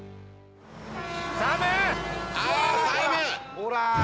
ほら！